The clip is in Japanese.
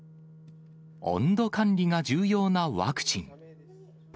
温度管理が重要なワクチン。